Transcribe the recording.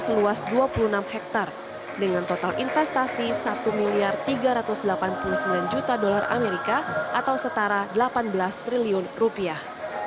seluas dua puluh enam hektare dengan total investasi satu tiga ratus delapan puluh sembilan juta dolar amerika atau setara delapan belas triliun rupiah